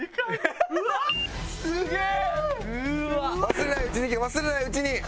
忘れないうちにいけ忘れないうちに。